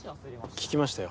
聞きましたよ